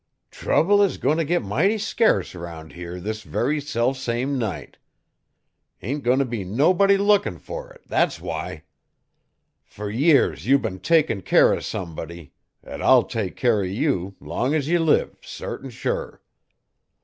Trouble 's goiti' t' git mighty scurce 'round here this very selfsame night. Ain't goin' t' be nobody lookin' fer it thet's why. Fer years ye've been takin' care o' somebody et I'll take care 'o you, long's ye live sartin sure.